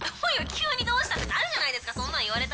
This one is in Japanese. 急にどうした！？ってなるじゃないですかそんなん言われたら」